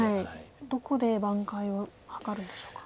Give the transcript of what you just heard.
どこで挽回を図るんでしょうか。